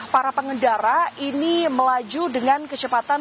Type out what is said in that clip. para pengendara ini melaju dengan kecepatan